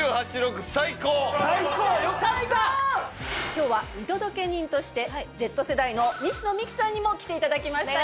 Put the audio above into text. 今日は見届け人としてＺ世代の西野未姫さんにも来ていただきました。